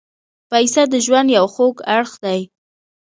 پسه د ژوند یو خوږ اړخ دی.